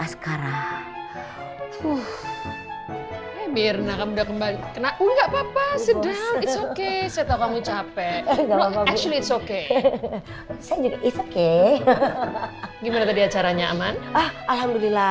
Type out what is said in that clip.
sekarang uh hai mirna kamu udah kembali kena unggah papa sedang isoke setelah mencapai